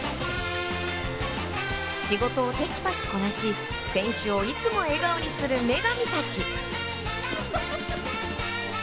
仕事をてきぱきこなし選手を、いつも笑顔にする女神たち。